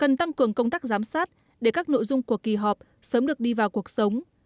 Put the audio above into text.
cần tăng cường công tác giám sát để các nội dung của kỳ họp sớm được đi vào cuộc sống